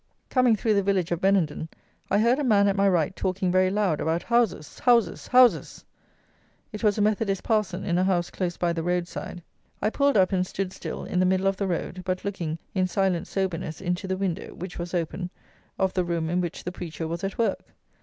Coming through the village of Benenden, I heard a man at my right talking very loud about houses! houses! houses! It was a Methodist parson, in a house close by the roadside. I pulled up, and stood still, in the middle of the road, but looking, in silent soberness, into the window (which was open) of the room in which the preacher was at work.